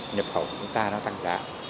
nhập khẩu của chúng ta nó tăng giá